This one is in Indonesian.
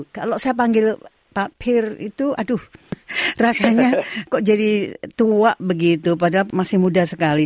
kalau saya panggil pak pir itu aduh rasanya kok jadi tuak begitu padahal masih muda sekali